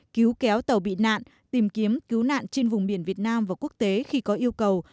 cứu kéo tàu bị nạn tìm kiếm cứu nạn trên vùng biển việt nam và quốc tế khi có yêu cầu